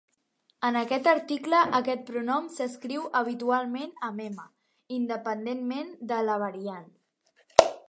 En aquest article, aquest pronom s'escriu habitualment amb "m", independentment de la variant.